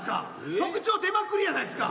特徴出まくりやないっすか。